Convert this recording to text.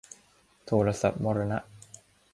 โทรศัพท์มรณะ